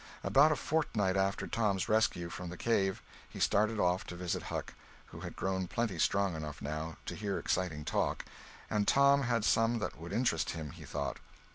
About a fortnight after Tom's rescue from the cave, he started off to visit Huck, who had grown plenty strong enough, now, to hear exciting talk, and Tom had some that would interest him, he thought.